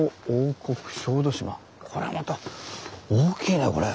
これまた大きいねこれ。